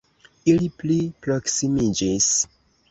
Ili pli proksimiĝis.